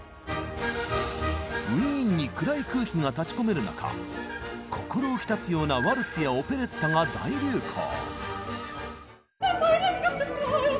ウィーンに暗い空気が立ちこめる中心浮き立つようなワルツやオペレッタが大流行。